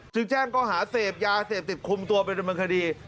จึงแจ้งก็หาเศษยาเศษติดคุมตัวไปด้วยบรรคดี